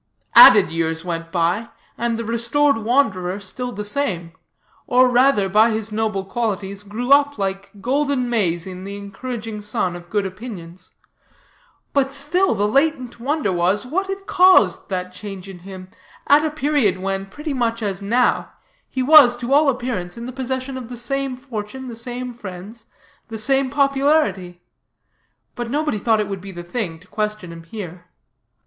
"Added years went by, and the restored wanderer still the same; or rather, by his noble qualities, grew up like golden maize in the encouraging sun of good opinions. But still the latent wonder was, what had caused that change in him at a period when, pretty much as now, he was, to all appearance, in the possession of the same fortune, the same friends, the same popularity. But nobody thought it would be the thing to question him here.